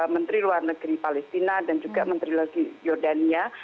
menteri luar negeri palestina dan juga menteri jordania